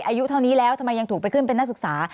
อายุเท่านี้แล้วทำไมยังถูกไปขึ้นเป็นนักศึกษา